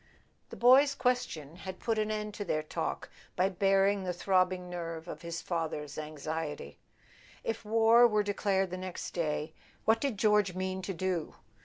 The boy's question had put an end to their talk by baring the throbbing nerve of his father's anxiety. If war were declared the next day, what did George mean to do?